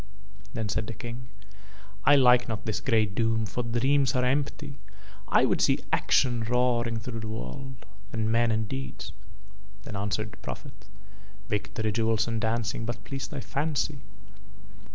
Then said the King: "I like not this grey doom, for dreams are empty. I would see action roaring through the world, and men and deeds." Then answered the Prophet: "Victory, jewels and dancing but please thy fancy.